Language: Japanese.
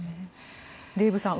デーブさん